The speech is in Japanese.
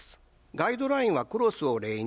ガイドラインはクロスを例に